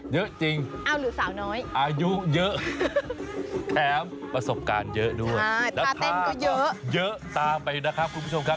เยอะจริงอายุเยอะแถมประสบการณ์เยอะด้วยรักษาตาเยอะตามไปนะครับคุณผู้ชมครับ